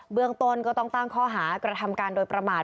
เมืองต้นก็ต้องตั้งข้อหากระทำการโดยประมาท